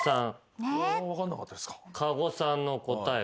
加護さんの答え